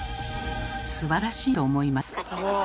すばらしいと思います。